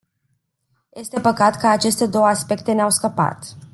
Este păcat că aceste două aspecte ne-au scăpat.